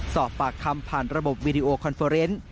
สอบปากคำผ่านระบบวีดีโอคอนเฟอร์เนส